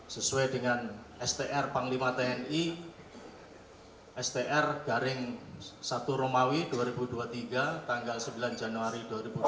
sesuai dengan str panglima tni str garing satu romawi dua ribu dua puluh tiga tanggal sembilan januari dua ribu dua puluh